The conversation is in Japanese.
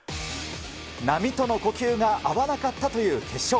波との呼吸が合わなかったという決勝。